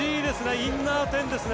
インナー１０ですね。